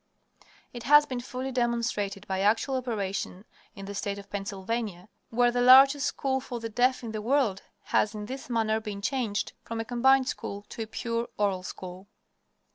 It has been fully demonstrated by actual operation in the state of Pennsylvania, where the largest school for the deaf in the world has in this manner been changed from a "Combined School" to a pure oral school.